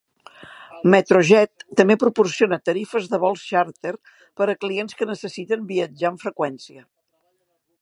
Metrojet també proporciona tarifes de vols xàrter per a clients que necessiten viatjar amb freqüència.